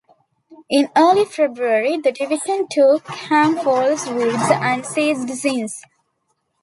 In early February, the division took Campholz Woods and seized Sinz.